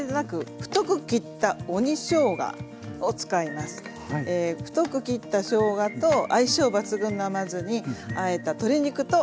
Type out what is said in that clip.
太く切ったしょうがと相性抜群の甘酢にあえた鶏肉と合わせました。